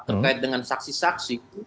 terkait dengan saksi saksi